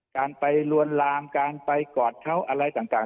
การไปลวนลามการไปกอดเขาอะไรต่าง